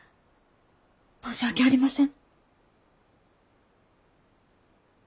申し訳ありません。